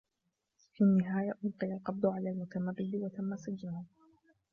في النهاية أُلقي القبض على المتمرد و تم سجنه.